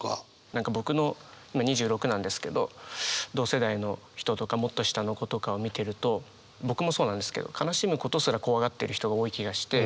何か僕の今２６なんですけど同世代の人とかもっと下の子とかを見てると僕もそうなんですけど悲しむことすら怖がってる人が多い気がして。